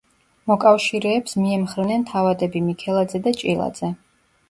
მოკავშირეებს მიემხრნენ თავადები მიქელაძე და ჭილაძე.